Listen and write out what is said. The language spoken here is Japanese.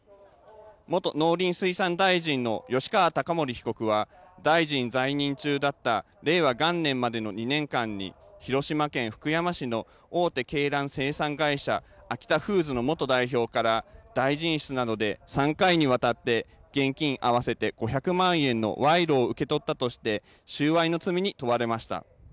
元農林水産大臣の吉川貴盛被告は大臣在任中だった令和元年までの２年間に広島県福知山市の大手鶏卵生産会社、アキタフーズの元代表から大臣室などで３回にわたって現金合わせて５００万円の賄賂を受け取ったとして収賄の罪に問われました。